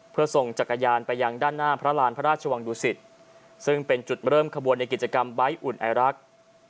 เพื่อส่งจักรยานไปยังด้านหน้าพระราณพระราชวังดุสิตซึ่งเป็นจุดเริ่มขบวนในกิจกรรมใบ้อุ่นไอรักษ์